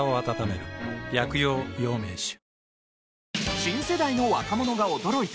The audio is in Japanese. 新世代の若者が驚いた